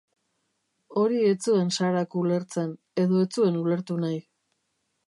Hori ez zuen Sarak ulertzen, edo ez zuen ulertu nahi.